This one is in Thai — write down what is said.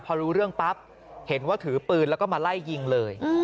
พอรู้เรื่องปั๊บเห็นว่าถือปืนแล้วก็มาไล่ยิงเลย